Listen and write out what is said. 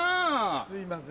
すいません。